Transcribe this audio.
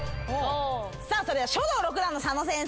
さあそれでは書道６段の佐野先生